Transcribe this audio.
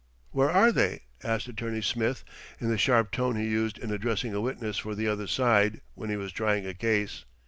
"Where are they?" asked Attorney Smith in the sharp tone he used in addressing a witness for the other side when he was trying a case.